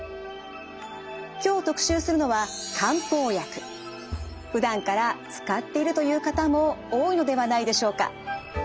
今日特集するのはふだんから使っているという方も多いのではないでしょうか。